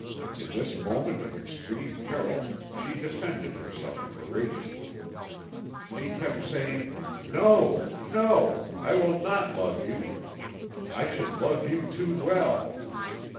In this moment of extreme peril she defended herself courageously. She kept saying: "No!... No!... I will not love you. I should love you too well...."